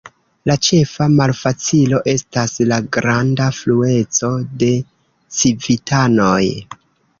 La ĉefa malfacilo estas la granda flueco de civitanoj.